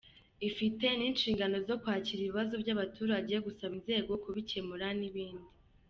-Ifite n’ishingano zo kwakira ibibazo by’abaturage, gusaba inzego kubikemura n’ibindi.